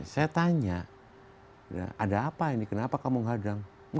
saya tanya ada apa ini kenapa kamu kadang